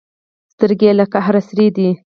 سترګې یې له قهره سرې دي.